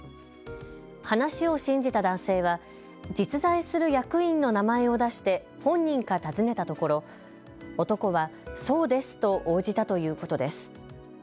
話を信じた男性は実在する役員の名前を出して本人か尋ねたところ、男はそうですと応じたということです。